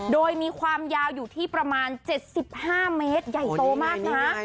โดยมีความยาวอยู่ที่ประมาณ๗๕เมตรใหญ่โตมากนะ